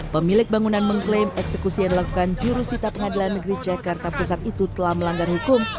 pemilik bangunan mengklaim eksekusi yang dilakukan jurusita pengadilan negeri jakarta pusat itu telah melanggar hukum